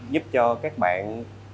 giúp cho các bạn